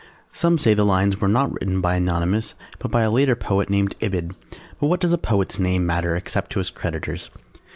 "_ Some say the lines were not written by Anonymous but by a later poet named Ibid, but what does a poet's name matter except to his creditors?